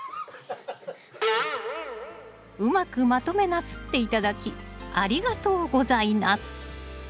うまくまとめナスって頂きありがとうございナス。